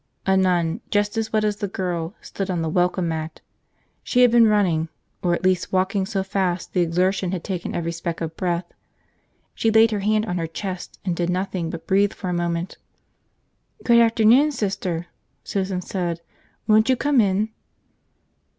A nun, just as wet as the girl, stood on the welcome mat. She had been running, or at least walking so fast the exertion had taken every speck of breath. She laid her hand on her chest and did nothing but breathe for a moment. "Good afternoon, Sister," Susan said. "Won't you come in?"